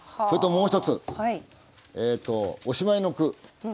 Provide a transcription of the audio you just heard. それともう一つおしまいの句。